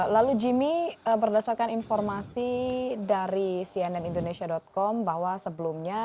lalu jimmy berdasarkan informasi dari cnn indonesia com bahwa sebelumnya